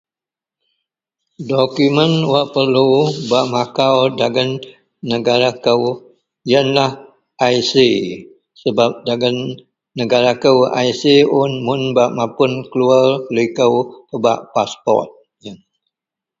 Dokument wak perlu bak makau dagen negara kou yenlah IC. Sebap dagen negara kou IC un. Mun bak mapun keluwer likou pebak passport un.